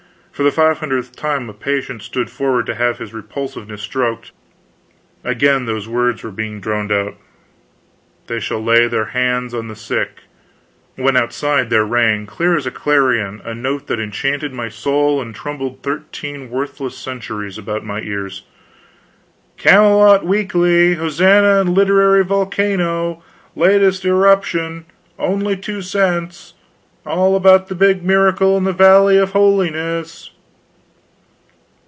For the five hundredth time a patient stood forward to have his repulsivenesses stroked; again those words were being droned out: "they shall lay their hands on the sick" when outside there rang clear as a clarion a note that enchanted my soul and tumbled thirteen worthless centuries about my ears: "Camelot Weekly Hosannah and Literary Volcano! latest irruption only two cents all about the big miracle in the Valley of Holiness!"